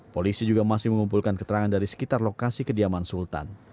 polisi juga masih mengumpulkan keterangan dari sekitar lokasi kediaman sultan